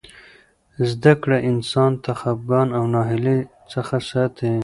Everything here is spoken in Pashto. زده کړه انسان له خفګان او ناهیلۍ څخه ساتي.